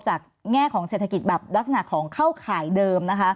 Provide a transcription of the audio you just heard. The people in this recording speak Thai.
แง่ของเศรษฐกิจแบบลักษณะของเข้าข่ายเดิมนะคะ